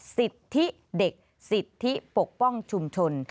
สิทธิเด็กสิทธิปกป้องชุมชน